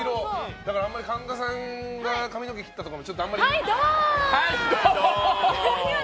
だからあんまり神田さんが髪の毛切ったとかも。